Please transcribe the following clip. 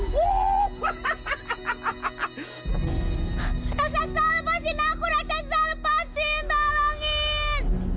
raksasa lepasin aku raksasa lepasin tolongin